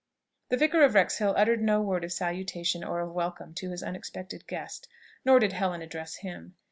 The Vicar of Wrexhill uttered no word of salutation or of welcome to his unexpected guest; nor did Helen address him.